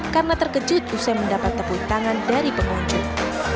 karena terkejut usai mendapat tepuk tangan dari pengunjung